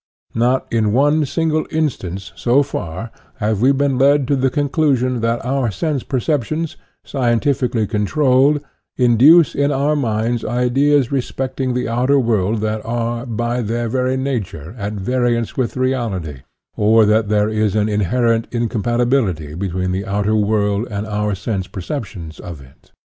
Not in one sin gle instance, so far, have we been led to the con clusion that our sense perceptions, scientifically controlled, induce in our minds ideas respecting the outer world that are, by their very nature, at variance with reality, or that there is an in INTRODUCTION 21 herent incompatibility between the outer world and our sense perceptions of it.